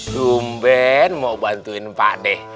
dumben mau bantuin pak deh